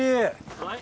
はい。